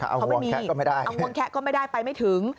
เอาวงแคะก็ไม่ได้ไปไม่ถึง